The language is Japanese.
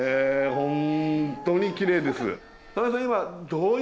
本当にきれいです。